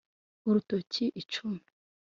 urutoki icumi